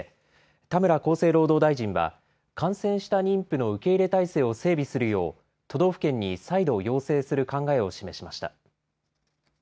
田村厚生労働大臣は感染した妊婦の受け入れ体制を整備するよう都道府県に再度要請する考えを示しました。